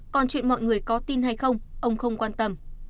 còn chuyện mọi người có tin hay không ông không quan tâm